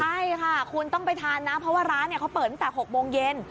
ใช่ค่ะคุณต้องไปทานนะเพราะว่าร้านเขาเปิดตั้งแต่๖โมงเย็น